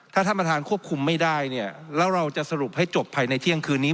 ถ้าท่านประธานควบคุมไม่ได้เนี่ยแล้วเราจะสรุปให้จบภายในเที่ยงคืนนี้